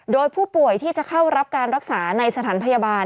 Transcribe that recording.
โดยผู้ป่วยที่จะเข้ารับการรักษาในสถานพยาบาล